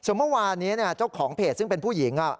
ส่วนเมื่อวานนี้เจ้าของเพจซึ่งเป็นผู้หญิง